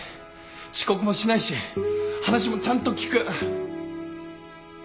遅刻もしないし話もちゃんと聞く